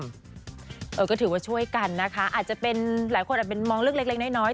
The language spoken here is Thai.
คุณผู้ชมก็ถือว่าช่วยกันนะคะอาจจะเป็นหลายคนอาจเป็นมองลึกเล็กน้อย